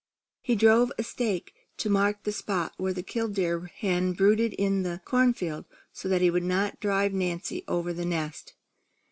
He drove a stake to mark the spot where the killdeer hen brooded in the corn field, so that he would not drive Nancy over the nest.